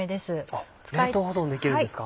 あっ冷凍保存できるんですか。